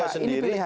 pak jokowi sendiri